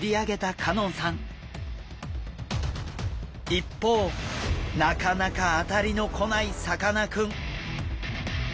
一方なかなか当たりの来ないさかなクン。